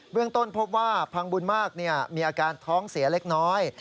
เรื่องต้นพบว่าพังบุญมากมีอาการท้องเสียเล็กน้อย